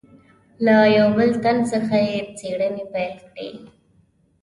له بل تن څخه یې څېړنې پیل کړې.